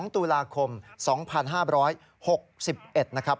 ๒ตุลาคม๒๕๖๑นะครับ